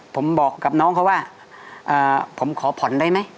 ผมบอกกับน้องเขาว่าผมขอผ่อนได้ไหม